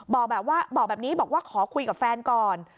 แบบว่าบอกแบบนี้บอกว่าขอคุยกับแฟนก่อน